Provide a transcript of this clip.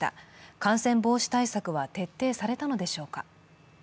感染防止対策は徹底されたのでしょうか。